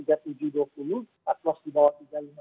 artplos di bawah tiga ribu lima ratus sembilan puluh